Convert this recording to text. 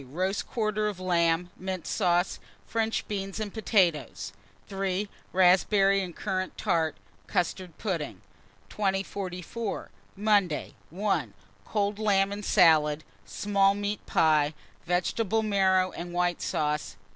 Roast quarter of lamb, mint sauce, French beans and potatoes. 3. Raspberry and currant tart, custard pudding. 2044. Monday. 1. Cold lamb and salad, small meat pie, vegetable marrow and white sauce.